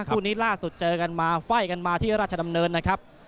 คู่นี้ล่าสุดเจอกันมาไฟ่กันมาที่ราชดำเนินนะครับ